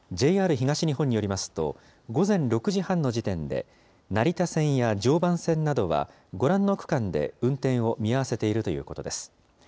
ＪＲ東日本によりますと、午前６時半の時点で、成田線や常磐線などはご覧の区間で運転を見合わせているということです。